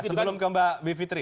mungkin sebelum ke mbak bivitri